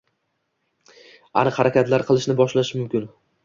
aniq harakatlar qilishni boshlashi mumkin: